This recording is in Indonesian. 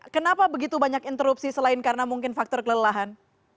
kenapa begitu banyak interupsi selain karena mungkin faktor kelelahan